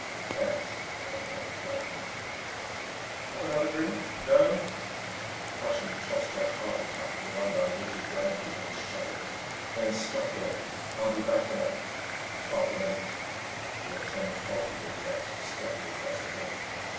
"Thanks," Lanyard replied meekly. "Have another drink? No?" The Prussian tossed off a half cupful of undiluted brandy, and shuddered. "Then stop here. I'll be back in a " "Half a minute." The lieutenant halted in the act of stepping across the body.